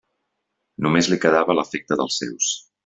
Només li quedava l'afecte dels seus.